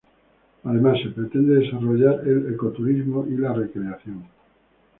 Además, se pretende desarrollar el ecoturismo y la recreación.